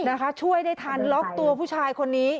นะคะช่วยได้ทันล็อกตัวผู้ชายคนนี้